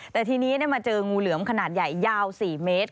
แต่ทีนี้มาเจองูเหลือมขนาดใหญ่ยาว๔เมตร